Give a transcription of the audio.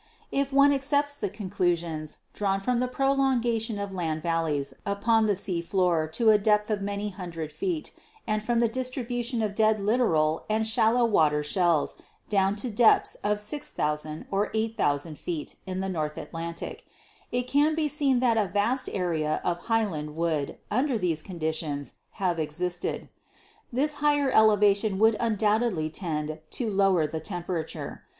If one accepts the conclusions drawn from the prolongation of land valleys upon the sea floor to a depth of many hun dred feet and from the distribution of* dead littoral and shallow water shells down to depths of 6,000 or 8,000 feet in the North Atlantic, it can be seen that a vast area of high land would, under these conditions, have existed. This higher elevation would undoubtedly tend to lower the tem perature.